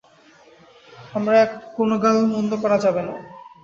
আমরা এক কোনো গাল-মন্দ করা যাবে না।